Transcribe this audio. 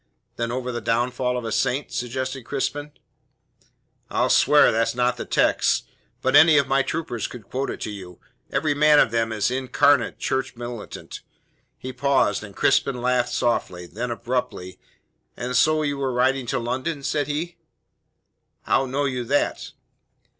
"Than over the downfall of a saint?" suggested Crispin. "I'll swear that's not the text, but any of my troopers could quote it you; every man of them is an incarnate Church militant." He paused, and Crispin laughed softly. Then abruptly: "And so you were riding to London?" said he. "How know you that?"